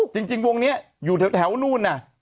จริงวงนี้อยู่แถวนู่นน่ะ